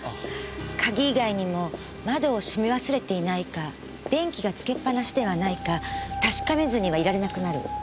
鍵以外にも窓を閉め忘れていないか電気がつけっ放しではないか確かめずにはいられなくなる。